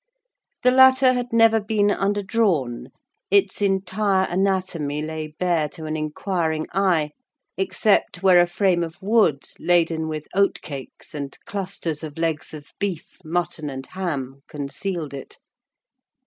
The latter had never been under drawn: its entire anatomy lay bare to an inquiring eye, except where a frame of wood laden with oatcakes and clusters of legs of beef, mutton, and ham, concealed it.